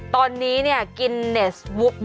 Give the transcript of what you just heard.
ตอนนี้เนี่ยกินเนสวุก